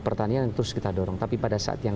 pertanian terus kita dorong tapi pada saat yang